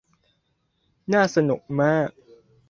น่าสนุกมาก